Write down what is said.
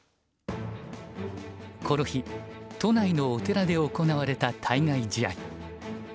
この日都内のお寺で行われた対外試合。